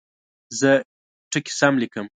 زه ټکي سم لیکم.